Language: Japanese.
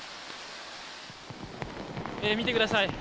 見てください。